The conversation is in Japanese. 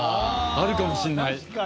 あるかもしれない。